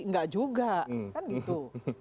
nggak juga kan gitu